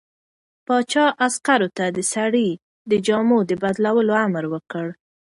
پاچا عسکرو ته د سړي د جامو د بدلولو امر وکړ.